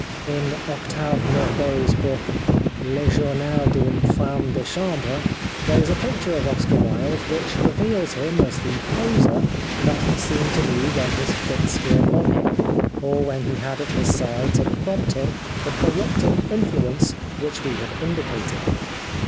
In Octave Mirbeau's book, " Le Journal d'Une Femme de Chambre," there is a picture of Oscar Wilde, which reveals him as the poseur that he seemed to be when his fits were upon him, or when he had at his side to prompt him the corrupting influence which we have indicated.